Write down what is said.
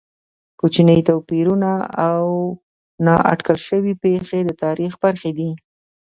کوچني توپیرونه او نا اټکل شوې پېښې د تاریخ برخې دي.